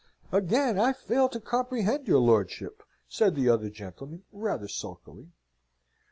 "Again I fail to comprehend your lordship," said the other gentleman, rather sulkily.